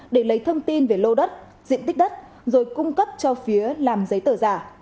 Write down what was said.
để lấy thông tin về lô đất diện tích đất rồi cung cấp cho phía làm giấy tờ giả